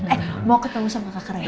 eh mau ketemu sama kakak rena